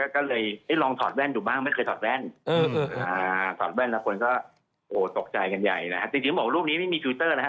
จริงบอกว่ารูปนี้ไม่มีฟิวเตอร์นะฮะ